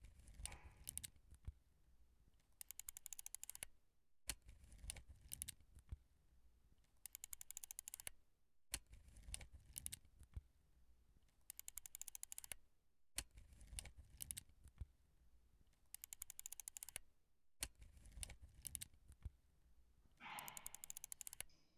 喝含有碳水化合物的运动饮料而没有长时间运动的效果是体重增加。